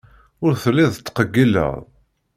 Ur telliḍ tettqeyyileḍ.